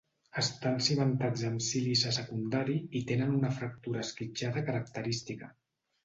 Estan cimentats amb sílice secundari i tenen una fractura esquitxada característica.